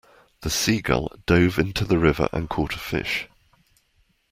The seagull dove into the river and caught a fish.